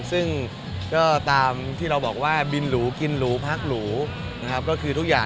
ซึ่งก็ตามที่เราบอกว่าบินหรูกินหรูพักหรูนะครับก็คือทุกอย่าง